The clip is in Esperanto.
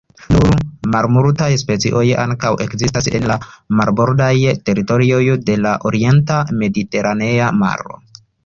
Nur malmultaj specioj ankaŭ ekzistas en la marbordaj teritorioj de la orienta Mediteranea Maro.